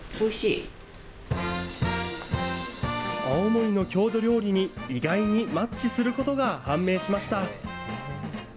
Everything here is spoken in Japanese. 青森の郷土料理に意外にマッチすることが判明しました。